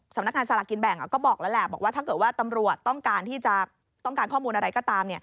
สำนักงานสลากกินแบ่งก็บอกแล้วแหละบอกว่าถ้าเกิดว่าตำรวจต้องการที่จะต้องการข้อมูลอะไรก็ตาม